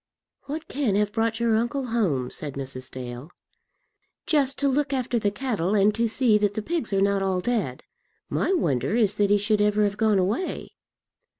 "What can have brought your uncle home?" said Mrs. Dale. "Just to look after the cattle, and to see that the pigs are not all dead. My wonder is that he should ever have gone away."